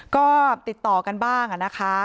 ก็ติดต่อกันบ้างนะคะ